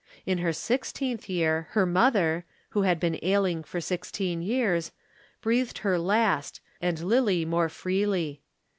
In her sixteenth year her mother, who had been ailing for sixteen years, breathed her last, and Lillie more freely.